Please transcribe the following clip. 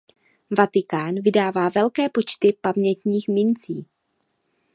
Vatikán vydává velké počty pamětních mincí.